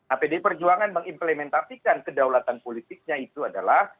apd perjuangan mengimplementasikan kedaulatan politiknya itu adalah